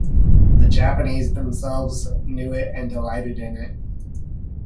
The Japanese themselves knew it and delighted in it.